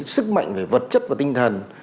sức mạnh về vật chất và tinh thần